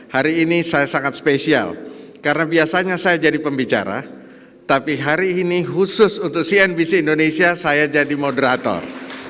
hari ini saya sangat spesial karena biasanya saya jadi pembicara tapi hari ini khusus untuk cnbc indonesia saya jadi moderator